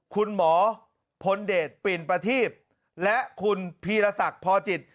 คุณหมอพลเดชปิ่นประทีบและคุณพีรศักดิ์พอจิต